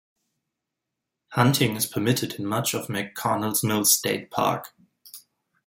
Hunting is permitted in much of McConnells Mill State Park.